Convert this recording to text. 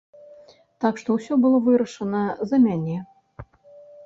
Так што ўсё было вырашана за мяне.